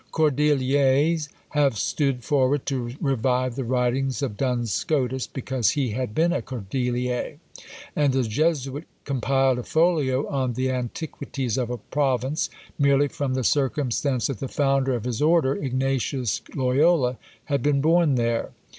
Cordeliers have stood forward to revive the writings of Duns Scotus, because he had been a cordelier; and a Jesuit compiled a folio on the antiquities of a province, merely from the circumstance that the founder of his order, Ignatius Loyola, had been born there.